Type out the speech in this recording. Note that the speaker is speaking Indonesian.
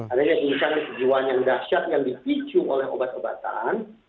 adanya isian kejiwaan yang dahsyat yang dipicu oleh obat obatan